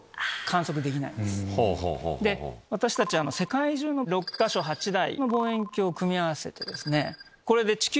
私たち世界中の６か所８台の望遠鏡を組み合わせて。